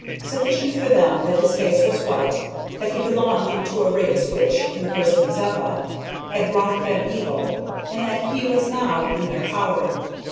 Sufficient for them that his face was white, that he belonged to a race which, in the person of Zeppa, had wrought them evil, and that he was now in their power.